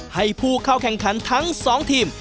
ให้ผู้เข้าแข่งขันทั้ง๒ทีม